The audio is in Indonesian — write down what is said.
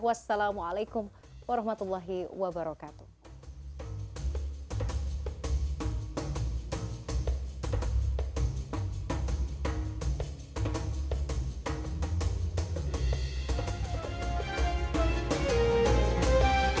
wassalamualaikum warahmatullahi wabarakatuh